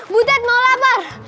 butet mau lapar